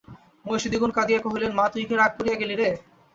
মহিষী দ্বিগুণ কাঁদিয়া কহিলেন, মা তুই কি রাগ করিয়া গেলি রে?